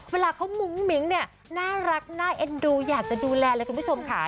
เวลาเขามุ้งมิ้งเนี่ยน่ารักน่าเอ็นดูอยากจะดูแลเลยคุณผู้ชมค่ะ